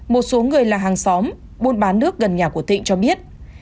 một số người là hàng xóm buôn bán nước gần nhà của thịnh cho biết